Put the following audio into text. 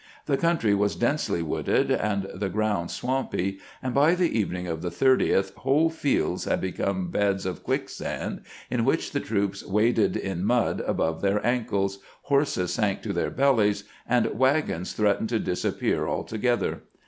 The country was densely wooded, and the ground swampy, and by the evening of the 30th whole fields had become beds of quicksand, in which the troops waded in mud above their ankles, horses sank to their bellies, and wagons threatened to disappear altogether.